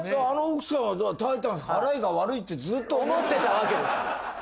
あの奥さんはタイタン払いが悪いってずっと思ってた思ってたわけですよ